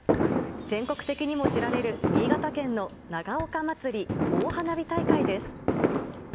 全国的にも知られる、新潟県の長岡まつり大花火大会です。